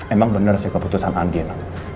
emang bener sih keputusan andin